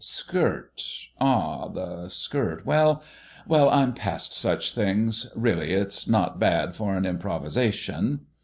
Skirt ah, the skirt well, well, I'm past such things. Really, it's not bad for an improvisation."